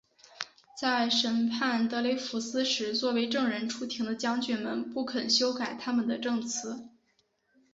在审判德雷福斯时作为证人出庭的将军们不肯修改他们的证词。